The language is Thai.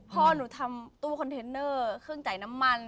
พ่อหนูทำตู้คอนเทนเนอร์เครื่องจ่ายน้ำมัน